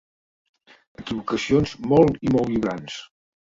Equivocacions molt i molt vibrants.